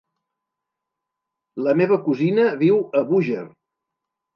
La meva cosina viu a Búger.